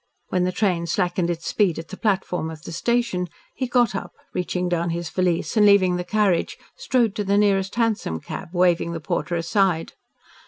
When the train slackened its speed at the platform of the station, he got up, reaching down his valise and leaving the carriage, strode to the nearest hansom cab, waving the porter aside.